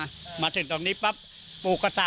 ทั้งหมดนี้คือลูกศิษย์ของพ่อปู่เรศรีนะคะ